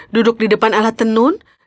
duduk di depan alat tenun